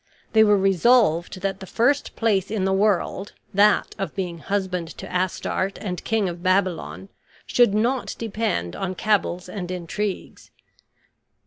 They were resolved that the first place in the world, that of being husband to Astarte and King of Babylon, should not depend on cabals and intrigues.